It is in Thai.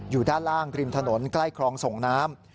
อยู่ด้านล่างริมถนนใกล้คลองส่งน้ำ